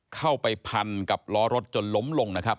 เข้าไปพันกับล้อรถจนล้มลงนะครับ